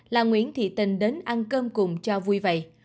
là nguyễn thị tình đến ăn cơm cùng cho vui vậy